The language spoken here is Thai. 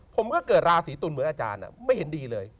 ผมก็เกิดราศีตุลเหมือนอาจารย์ไม่เห็นดีเลย